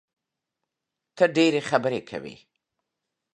ته ډېري خبري کوې!